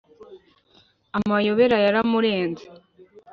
Amayobera yaramurenze